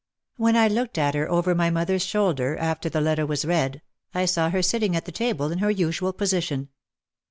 When I looked at her over my moth er's shoulder, after the letter was read, I saw her sitting at the table in her usual position.